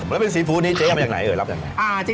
แล้วเป็นสีฟูร์นี้เจ๊เอาไปอย่างไรเอ่ยรับอย่างไร